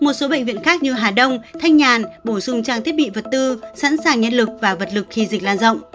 một số bệnh viện khác như hà đông thanh nhàn bổ sung trang thiết bị vật tư sẵn sàng nhân lực và vật lực khi dịch lan rộng